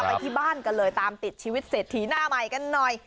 ไปที่บ้านกันเลยตามติดชีวิตเศรษฐีหน้าใหม่กันหน่อย